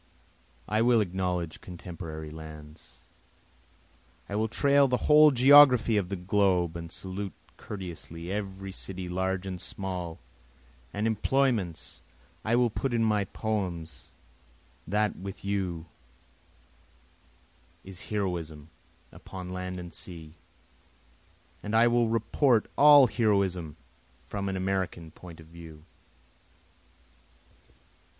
I will acknowledge contemporary lands, I will trail the whole geography of the globe and salute courteously every city large and small, And employments! I will put in my poems that with you is heroism upon land and sea, And I will report all heroism from an American point of view.